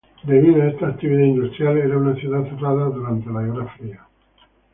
Debido a esta actividad industrial era una ciudad cerrada durante la Guerra Fría.